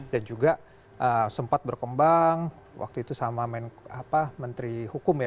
dan juga sempat berkembang waktu itu sama menteri hukum ya